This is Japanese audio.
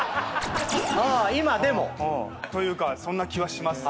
今でも？というかそんな気はします。